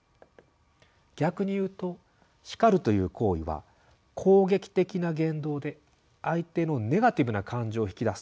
逆に言うと「叱る」という行為は攻撃的な言動で相手のネガティブな感情を引き出す。